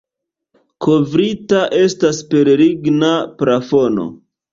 Kovrita estas per ligna plafono.